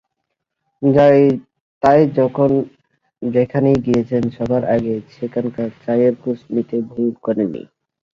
তাই যখন যেখানেই গিয়েছেন, সবার আগে সেখানকার চায়ের খোঁজ নিতে ভুল করেননি।